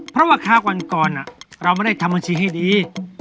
เพราะว่าคราวก่อนเราไม่ได้ทำบัญชีให้ดี